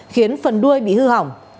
khiến phần đuôi bị hư hỏng